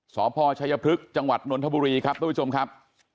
สพชัยพฤกษ์จังหวัดนนทบุรีครับทุกผู้ชมครับ